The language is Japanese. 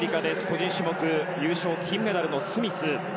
個人種目優勝金メダルのスミス。